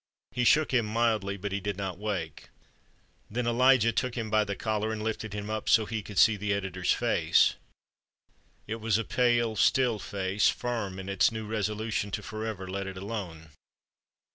He shook him mildly, but he did not wake. Then Elijah took him by the collar and lifted him up so that he could see the editor's face. It was a pale, still face, firm in its new resolution to forever "let it alone."